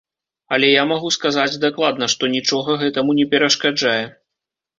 Але я магу сказаць дакладна, што нічога гэтаму не перашкаджае.